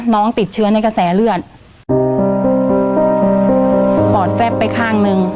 น้องติดเชื้อในกระแสเลือดปอดแฟบไปข้างหนึ่ง